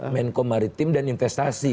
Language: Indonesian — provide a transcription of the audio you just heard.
menko maritim dan investasi